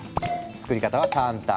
作り方は簡単。